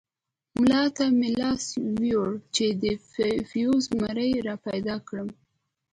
ملا ته مې لاس يووړ چې د فيوز مزي راپيدا کړم.